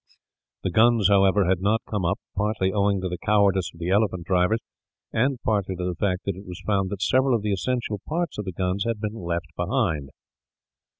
The guns, however, had not come up; partly owing to the cowardice of the elephant drivers, and partly to the fact that it was found that several of the essential parts of the guns had been left behind.